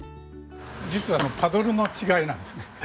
実はパドルの違いなんですね。